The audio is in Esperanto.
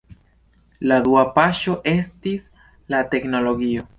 La dua paŝo estis la teknologio.